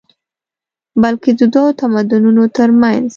بلکې دوو تمدنونو تر منځ